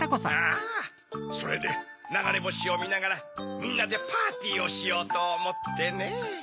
ああそれでながれぼしをみながらみんなでパーティーをしようとおもってねぇ。